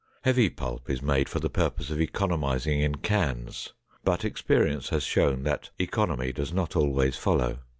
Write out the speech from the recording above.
Heavy pulp is made for the purpose of economizing in cans, but experience has shown that economy does not always follow.